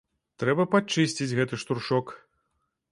Трэба падчысціць гэты штуршок.